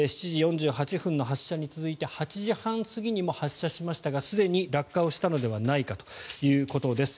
７時４８分の発射に続いて８時３０分過ぎにも発射しましたがすでに落下したのではないかということです。